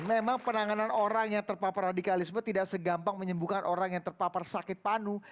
memang penanganan orang yang terpapar radikalisme tidak segampang menyembuhkan orang yang terpapar sakit panu